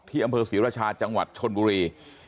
อำเภอศรีราชาจังหวัดชนบุรี